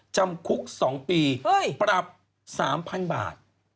จำคุก๒ปีปรับ๓๐๐๐บาท